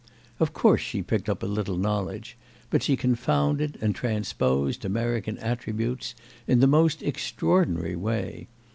Of course she picked up a little knowledge, but she confounded and transposed American attributes in the most extraordinary way.